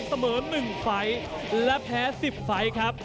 เสมอ๑ไฟล์และแพ้๑๐ไฟล์ครับ